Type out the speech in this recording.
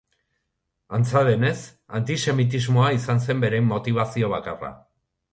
Antza denez, antisemitismoa izan zen bere motibazio bakarra.